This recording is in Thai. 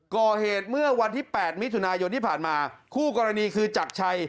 ก่อเหตุเมื่อวันที่๘มิถุนายนที่ผ่านมาคู่กรณีคือจักรชัย